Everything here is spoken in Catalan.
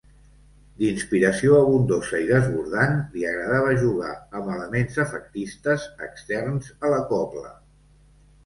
D'inspiració abundosa i desbordant, li agradava jugar amb elements efectistes externs a la cobla.